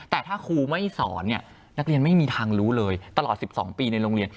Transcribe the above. แต่ถ้าครูไม่สอนเนี่ยนักเรียนไม่มีทางรู้เลยตลอด๑๒ปีในโรงเรียน